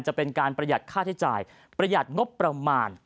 จะเป็นการประหยัดค่าใช้จ่ายประหยัดงบประมาณ